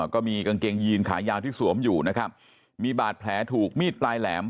กางเกงยีนขายาวที่สวมอยู่นะครับมีบาดแผลถูกมีดปลายแหลม